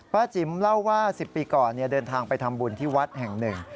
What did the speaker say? จิ๋มเล่าว่า๑๐ปีก่อนเดินทางไปทำบุญที่วัดแห่งหนึ่ง